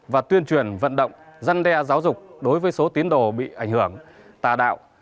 và tuyên truyền vận động dân đe giáo dục đối với số tiến đồ bị ảnh hưởng tà đạo